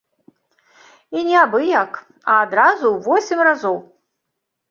І не абы як, а адразу ў восем разоў.